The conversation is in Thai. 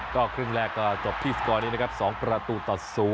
ก็ครึ่งแรกก็จบที่สกอร์นี้นะครับ๒ประตูต่อ๐